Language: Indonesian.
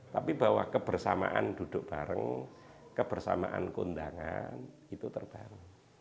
tapi bahwa kebersamaan duduk bareng kebersamaan kondangan itu terbaru